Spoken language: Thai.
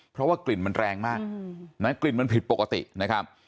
เพราะว่ากลิ่นมันแรงมากนะกลิ่นมันผิดปกตินะครับ